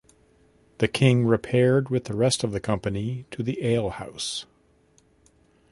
The king repaired with the rest of the company to the alehouse.